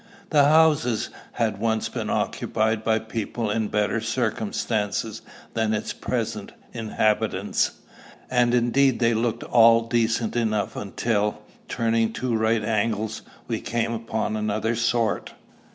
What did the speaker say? The houses had once been occupied by people in better circumstances than its present inhabitants; and indeed they looked all decent enough until, turning two right angles, we came upon another sort.